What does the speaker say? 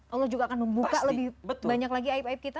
allah juga akan membuka lebih banyak lagi aib aib kita